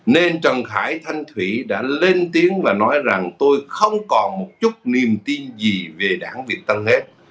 nên trần khải thanh thủy đã lên tiếng và nói rằng tôi không còn một chút niềm tin gì về đảng việt tân hết